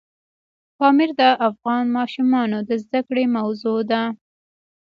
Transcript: پامیر د افغان ماشومانو د زده کړې موضوع ده.